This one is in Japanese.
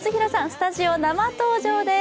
スタジオ生登場です。